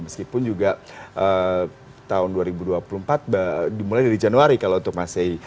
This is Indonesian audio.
meskipun juga tahun dua ribu dua puluh empat dimulai dari januari kalau untuk masey